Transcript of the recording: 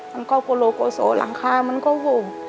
มันก็โกโลโกโสหลังคามันก็ห่ม